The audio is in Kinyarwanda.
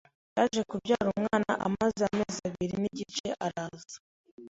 yaje kubyara umwana amaze amezi abiri n’igice araza